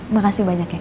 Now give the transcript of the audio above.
makasih banyak ya kak